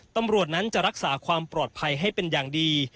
ตำรวจนั้นจะรักษาความปลอดภัยให้เป็นอย่างดี